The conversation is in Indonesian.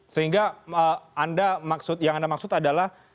sehingga yang anda maksud adalah